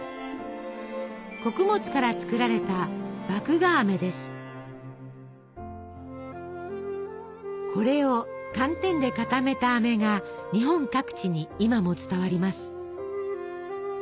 穀物から作られたこれを寒天で固めたあめが日本各地に今も伝わります。